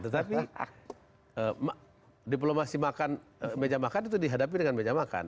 tetapi diplomasi makan meja makan itu dihadapi dengan meja makan